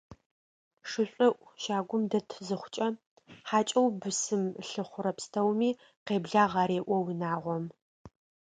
Шышӏоӏу щагум дэт зыхъукӏэ, хьакӏэу бысым лъыхъурэ пстэуми «къеблагъ» ареӏо унагъом.